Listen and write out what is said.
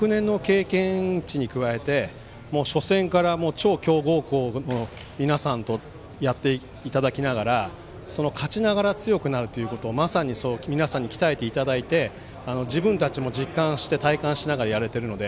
昨年の経験値に加えて初戦から超強豪校の皆さんとやっていただきながら勝ちながら強くなるということをまさに皆さんに鍛えていただいて自分たちも実感して体感しながらやれてるので。